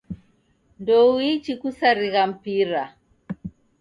Ndouichi kusarigha mpira.